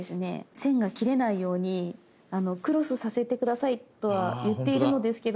線が切れないようにクロスさせて下さいとは言っているのですけども。